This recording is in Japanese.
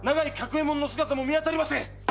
右衛門の姿も見当たりません！